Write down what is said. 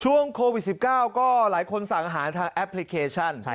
ช่วงโควิด๑๙ก็หลายคนสั่งอาหารทางแอปพลิเคชัน